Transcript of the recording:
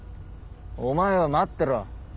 お前は待ってろ。